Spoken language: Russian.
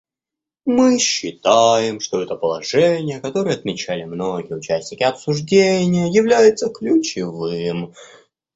Мы считаем, что это положение, которое отмечали многие участники обсуждения, является ключевым.